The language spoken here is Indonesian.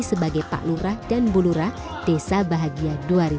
sebagai pak lurah dan bu lurah desa bahagia dua ribu delapan belas